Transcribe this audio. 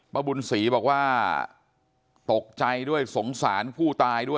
บุญศรีบอกว่าตกใจด้วยสงสารผู้ตายด้วย